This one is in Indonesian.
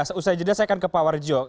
selesai jeda saya akan ke pak warjo